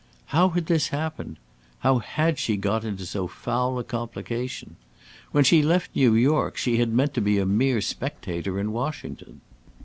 How had this happened? how had she got into so foul a complication? When she left New York, she had meant to be a mere spectator in Washington.